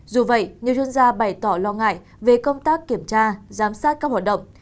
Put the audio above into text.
dù vậy nhiều chuyên gia bày tỏ lo ngại về công tác kiểm tra giám sát các hoạt động